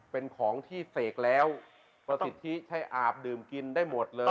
เป็นของที่เสกแล้วประสิทธิใช้อาบดื่มกินได้หมดเลย